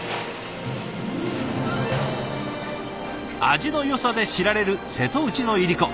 味のよさで知られる瀬戸内のいりこ。